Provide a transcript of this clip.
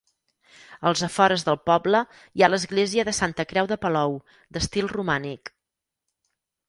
Als afores del poble hi ha l'església de Santa Creu de Palou, d'estil romànic.